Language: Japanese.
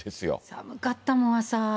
寒かったもん、朝。